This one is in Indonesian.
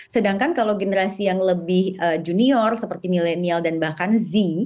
sedangkan kalau generasi yang lebih junior seperti milenial dan bahkan z